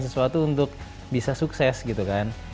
sesuatu untuk bisa sukses gitu kan